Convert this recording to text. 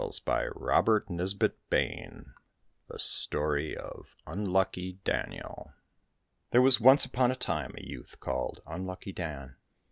io8 THE STORY OF UNLUCKY DANIEL THE STORY OF UNLUCKY DANIEL THERE was once upon a time a youth called Unlucky Dan.